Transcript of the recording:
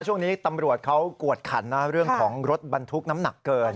ช่วงนี้ตำรวจเขากวดขันนะเรื่องของรถบรรทุกน้ำหนักเกิน